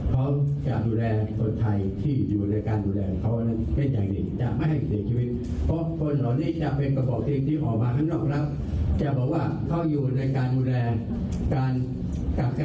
เพราะท่านนี้ใช่จริงที่อะมาทำไม่ได้ค่ะ